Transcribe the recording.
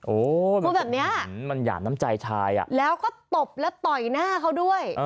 โอ้มันอย่างน้ำใจชายแล้วก็ตบและต่อยหน้าเขาด้วย